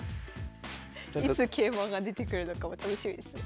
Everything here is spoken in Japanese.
いつ桂馬が出てくるのかも楽しみですね。